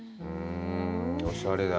おしゃれだね。